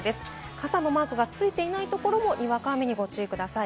傘のマークがついていないところもにわか雨にご注意ください。